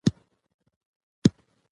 سژ کال ژمى وژد سو